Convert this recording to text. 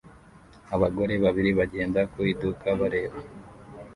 Abagore babiri bagenda ku iduka bareba